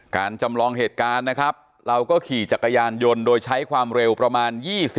จำลองเหตุการณ์นะครับเราก็ขี่จักรยานยนต์โดยใช้ความเร็วประมาณ๒๐